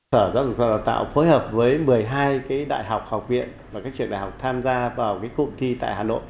sở giáo dục và đào tạo phối hợp với một mươi hai đại học học viện và các trường đại học tham gia vào cụm thi tại hà nội